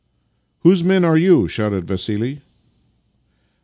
" Whose men are you? " shouted Vassili.